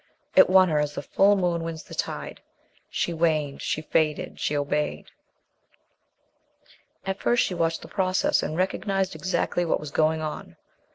It won her as the full moon wins the tide. She waned; she faded; she obeyed. At first she watched the process, and recognized exactly what was going on.